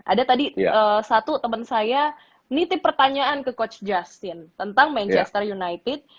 ada tadi satu teman saya nitip pertanyaan ke coach justin tentang manchester united